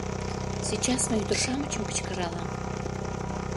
Сейчас мый ӱдыр-шамычым кычкыралам.